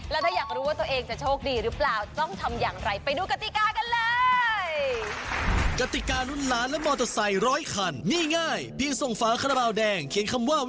แล้วถ้าอยากรู้ว่าตัวเองจะโชคดีหรือเปล่า